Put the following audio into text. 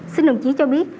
xin đồng chí cho biết